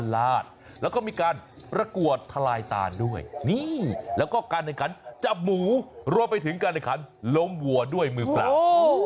แล้วก็การหยัดขันจับหมูรวมไปถึงการหยัดขันล้มวัวด้วยมือเปล่า